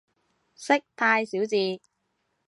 識太少字